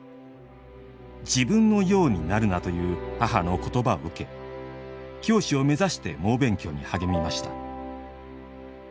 「自分のようになるな」という母の言葉を受け教師を目指して猛勉強に励みました。